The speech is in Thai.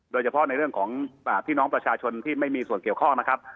โดยเฉพาะในเรื่องของพี่น้องประชาชนที่ไม่มีส่วนเกี่ยวข้องนะครับ